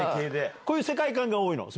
こういう世界観が多いの？